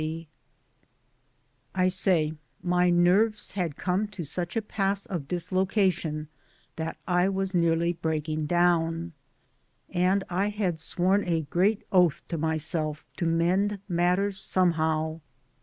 99 ;ioo MY DAYS AND DREAMS I say my nerves had come to such a pass of dislocation, that I was nearly breaking down ; and I had sworn a great oath to myself to mend matters somehow.